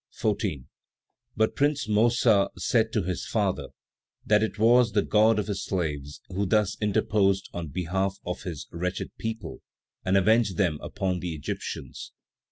14. But Prince Mossa said to his father that it was the God of his slaves who thus interposed on behalf of his wretched people, and avenged them upon the Egyptians.